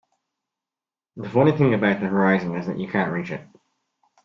The funny thing about the horizon is that you can't reach it.